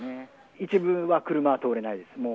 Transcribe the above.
一部は車は通れないです、もう。